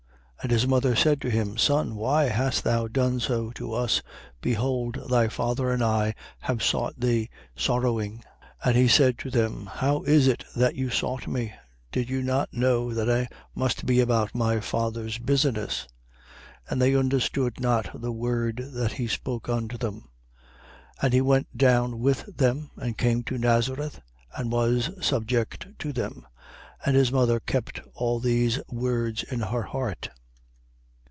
And his mother said to him: Son, why hast thou done so to us? Behold thy father and I have sought thee sorrowing. 2:49. And he said to them: How is it that you sought me? Did you not know that I must be about my father's business? 2:50. And they understood not the word that he spoke unto them. 2:51. And he went down with them and came to Nazareth and was subject to them. And his mother kept all these words in her heart.